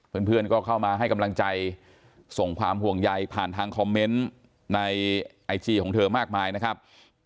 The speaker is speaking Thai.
เพื่อนก็เข้ามาให้กำลังใจส่งความห่วงใยผ่านทางคอมเมนต์ในไอจีของเธอมากมายนะครับ